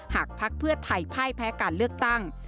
พักเพื่อไทยพ่ายแพ้การเลือกตั้ง